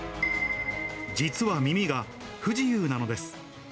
実は耳が不自由なのです。